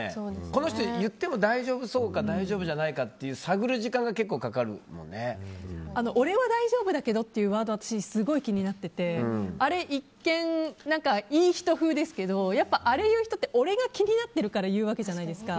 この人、言っても大丈夫そうか大丈夫じゃないかって俺は大丈夫だけどってワードは私、すごい気になっててあれ、一見いい人風ですけどあれをいう人って俺が気になってるから言うわけじゃないですか。